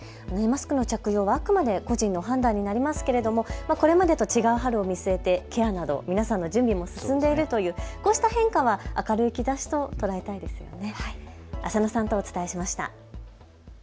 マスクの着用、あくまで個人の判断になりますけれどもこれまでと違う春を見据えてケアなど皆さんの十分準備も進んででいるというこうした変化は明るい兆しと捉えたいですね。